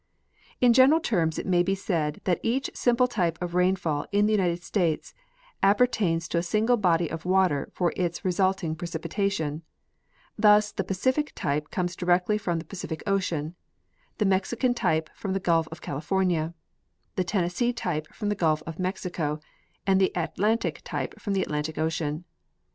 In general terms it may be said that each simple type of rain fall in the United States appertains to a s ingle body of water for its resulting precipitation ; thus the Pacific type comes directly from the Pacific ocean, the Mexican type from the gulf of Cali fornia, the Tennessee type from the gulf of Mexico, and the Atlantic type from the Atlantic ocean.